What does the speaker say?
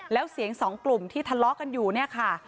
แล้วเสียงสองกลุ่มที่ทะเลาะกันอยู่เนี่ยค่ะ